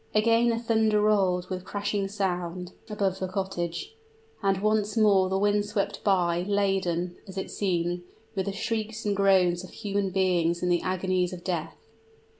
Again the thunder rolled, with crashing sound, above the cottage; and once more the wind swept by, laden, as it seemed, with the shrieks and groans of human beings in the agonies of death.